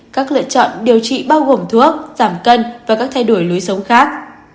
các lựa chọn điều trị bao gồm thuốc giảm cân và các thay đổi lối sống khác